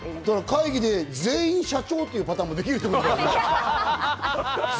会議で全員社長っていうパターンもできるんだよね。